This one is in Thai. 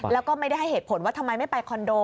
แล้วก็ไม่ได้ให้เหตุผลว่าทำไมไม่ไปคอนโด